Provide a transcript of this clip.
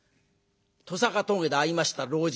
鳥坂峠で会いました老人。